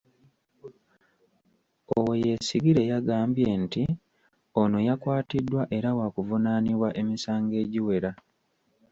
Owoyesigyire yagambye nti ono yakwatiddwa era waakuvunaanibwa emisango egiwera.